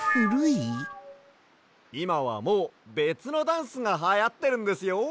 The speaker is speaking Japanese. いまはもうべつのダンスがはやってるんですよ。